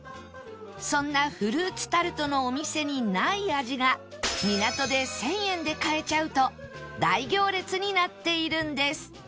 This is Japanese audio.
そんなフルーツタルトのお店にない味が港で１０００円で買えちゃうと大行列になっているんです